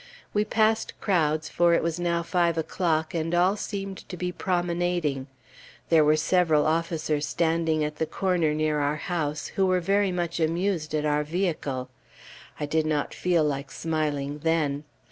We passed crowds, for it was now five o'clock, and all seemed to be promenading. There were several officers standing at the corner, near our house, who were very much amused at our vehicle. I did not feel like smiling then.